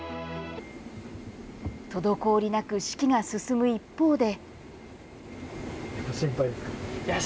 滞りなく式が進む一方で。